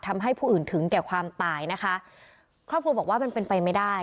ทำให้ผู้อื่นถึงแก่ความตายนะคะครอบครัวบอกว่ามันเป็นไปไม่ได้